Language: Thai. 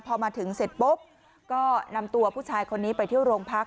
พอมาถึงเสร็จปุ๊บก็นำตัวผู้ชายคนนี้ไปเที่ยวโรงพัก